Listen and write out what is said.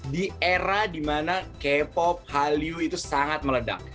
di era dimana k pop hallyu itu sangat meledak